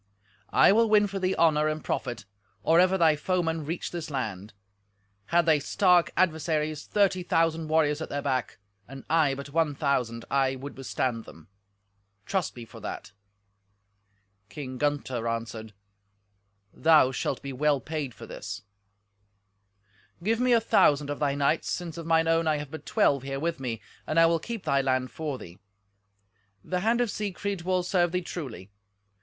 I will win for thee honour and profit or ever thy foemen reach this land. Had they stark adversaries thirty thousand warriors at their back, and I but one thousand, I would withstand them—trust me for that." King Gunther answered, "Thou shalt be well paid for this." "Give me a thousand of thy knights, since of mine own I have but twelve here with me, and I will keep thy land for thee. The hand of Siegfried will serve thee truly.